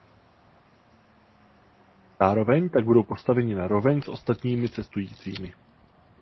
Zároveň tak budou postaveni na roveň s ostatními cestujícími.